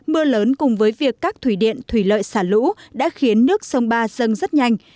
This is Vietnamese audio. mưa lớn cùng với việc các thủy điện thủy lợi xả lũ đã khiến nước sông ba dâng rất nhanh